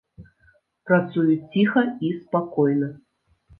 Працуюць ціха і спакойна.